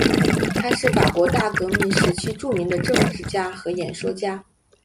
他是法国大革命时期著名的政治家和演说家。